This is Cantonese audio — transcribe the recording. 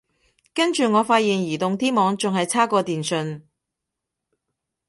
跟住我發現移動啲網仲係差過電信